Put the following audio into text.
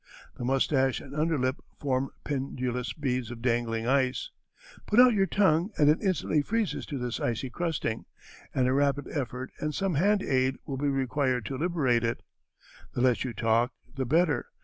The mustache and under lip form pendulous beads of dangling ice. Put out your tongue and it instantly freezes to this icy crusting, and a rapid effort and some hand aid will be required to liberate it. The less you talk the better.